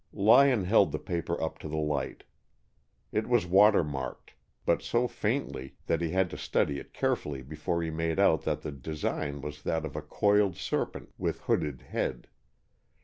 Lyon held the paper up to the light. It vas watermarked, but so faintly that he had to study it carefully before he made out that the design was that of a coiled serpent with hooded head.